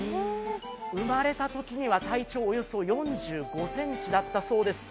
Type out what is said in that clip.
生まれたときには体長およそ４５ｃｍだったそうです